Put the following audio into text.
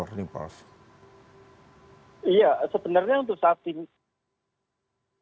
ya sebenarnya untuk saat ini